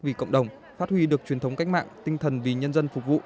vì cộng đồng phát huy được truyền thống cách mạng tinh thần vì nhân dân phục vụ